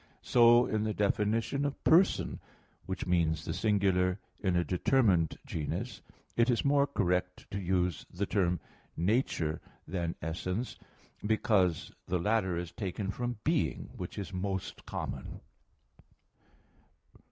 So in the definition of "person," which means the singular in a determined genus, it is more correct to use the term "nature" than "essence," because the latter is taken from being, which is most common.